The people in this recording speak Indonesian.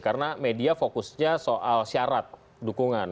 karena media fokusnya soal syarat dukungan